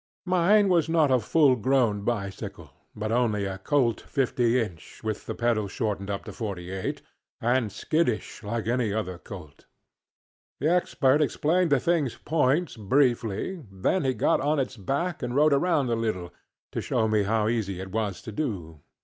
Mine was not a full grown bicycle, but only a coltŌĆöa fifty inch, with the pedals shortened up to forty eightŌĆöand skittish, like any other colt. The Expert explained the thingŌĆÖs points briefly, then he got on its back and rode around a little, to show me how easy it was to do.